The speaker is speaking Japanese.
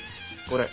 これ。